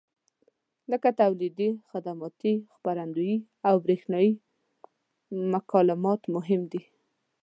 لکه تولیدي، خدماتي، خپرندویي او برېښنایي مکالمات مهم دي.